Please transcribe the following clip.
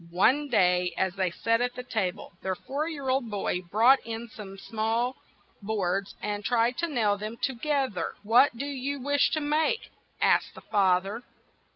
One day as they sat at the ta ble, their four year old boy brought in some small boards and tried to nail them to gether. '' What do you wish to make?" asked the fa ther.